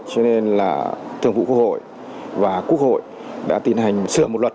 cho nên là thường vụ quốc hội và quốc hội đã tiến hành sửa một luật